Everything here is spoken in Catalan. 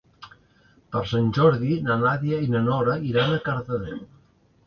Per Sant Jordi na Nàdia i na Nora iran a Cardedeu.